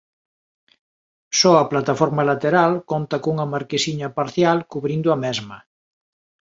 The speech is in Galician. Só a plataforma lateral conta cunha marquesiña parcial cubrindo a mesma.